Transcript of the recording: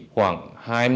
khoảng hai năm